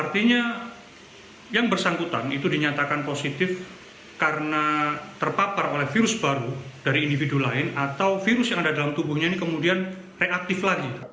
artinya yang bersangkutan itu dinyatakan positif karena terpapar oleh virus baru dari individu lain atau virus yang ada dalam tubuhnya ini kemudian reaktif lagi